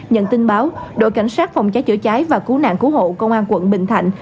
nhận tin báo đội cảnh sát phòng cháy chữa cháy và cứu nạn cứu hộ công an quận bình thạnh